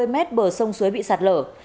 hai trăm năm mươi m bờ sông suối bị sạt lở